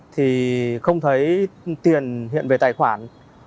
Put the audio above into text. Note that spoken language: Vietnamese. thì không thấy tiền hiện về tài khoản